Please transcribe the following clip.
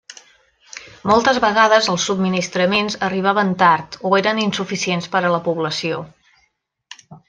Moltes vegades els subministraments arribaven tard o eren insuficients per a la població.